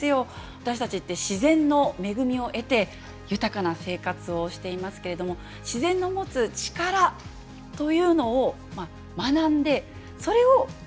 私たちって自然の恵みを得て豊かな生活をしていますけれども自然の持つ力というのを学んでそれを生かす。